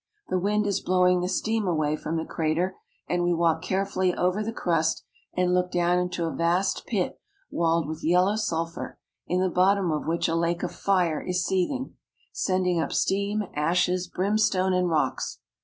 The wind is blowing the steam away from the crater, and we walk carefully over the crust and look down into a vast pit walled with yellow sulphur, in the bottom of which a lake of fire is seething, sending up steam, ashes, brimstone, and rocks.